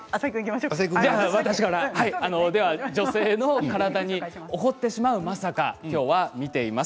女性の体に起こってしまう、まさか今日は見ています。